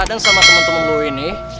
dan sama temen temen lu ini